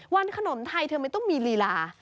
วันขนมไทยเธอไม่ต้องมีลีลา